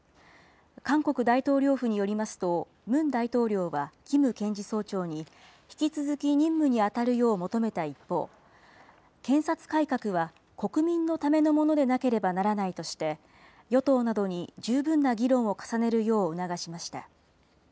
韓国大統領府によりますと、ムン大統領はキム検事総長に、引き続き任務に当たるよう求めた一方、検察改革は国民のためのものでなければならないとして、与党などに十分な議論を重ねるよう促しました。